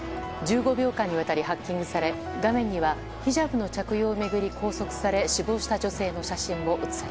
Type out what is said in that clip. １５秒間にわたりハッキングされ画面にはヒジャブの着用を巡り拘束され死亡した女性の写真も。